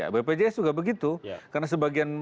bpjs juga begitu karena sebagian